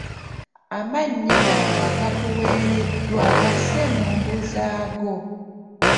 Amannya gano agakuweereddwa gasse mu mbu zaago.